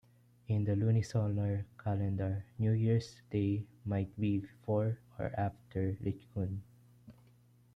In the lunisolar calendar, New Year's Day might be before or after Lichun.